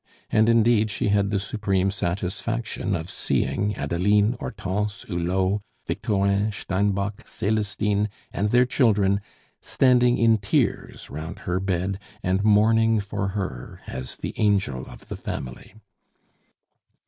And, indeed, she had the supreme satisfaction of seeing Adeline, Hortense, Hulot, Victorin, Steinbock, Celestine, and their children standing in tears round her bed and mourning for her as the angel of the family.